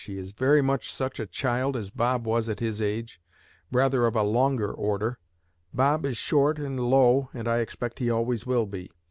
He is very much such a child as Bob was at his age, rather of a longer order. Bob is 'short and low,' and I expect he always will be.